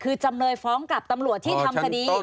คือจำเลยฟ้องกับตำรวจที่ทำคดี